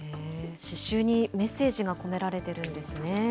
刺しゅうにメッセージが込められてるんですね。